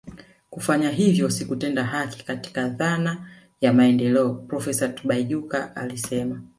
Kufanya hivyo si kutenda haki katika dhana ya maendeleo Profesa Tibaijuka alisema